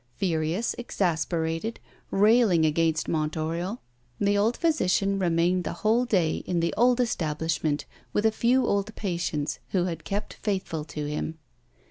Furious, exasperated, railing against Mont Oriol, the old physician remained the whole day in the old establishment with a few old patients who had kept faithful to him.